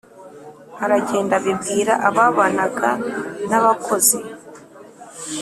Aragenda abibwira ababanaga na abakozi